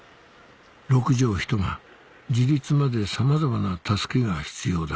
６畳一間自立までさまざまな助けが必要だ